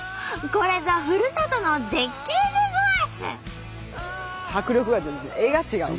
これぞふるさとの絶景でごわす！